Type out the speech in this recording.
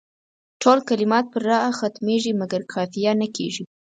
ټول کلمات پر راء ختمیږي مګر قافیه نه کیږي.